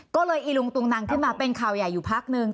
ก็เลยอีลุงตุงนังขึ้นมาเป็นข่าวใหญ่อยู่พักนึง